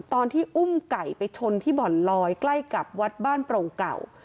ตอนที่อุ้มไก่ไปชนที่บ่อนลอยใกล้กับวัดบ้านโปร่งเก่า